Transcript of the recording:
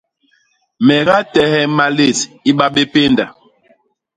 Me gatehe malét i ba bé pénda.